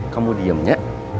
kamu diam ya